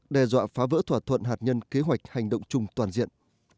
đe dọa phá vỡ thỏa thuận hạt nhân kế hoạch hành động chung toàn diện